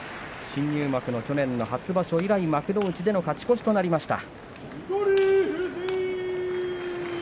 新入幕の去年の初場所以来幕内での勝ち越しとなりました。